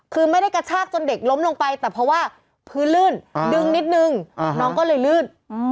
คือไม่ได้กระชากจนเด็กล้มลงไปแต่เพราะว่าพื้นลื่นดึงนิดนึงน้องก็เลยลื่น